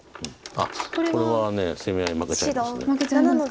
あっこれは攻め合い負けちゃいます。